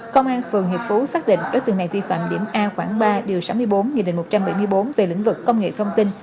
công an phường hiệp phú xác định đối tượng này vi phạm điểm a khoảng ba điều sáu mươi bốn nghị định một trăm bảy mươi bốn về lĩnh vực công nghệ thông tin